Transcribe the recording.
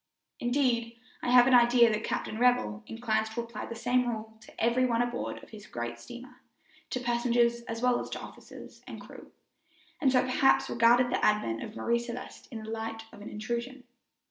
Indeed, I have an idea that Captain Revell inclines to apply the same rule to every one aboard of his great steamer, to passengers as well as to officers and crew, and so perhaps regarded the advent of Marie Celeste in the light of an intrusion.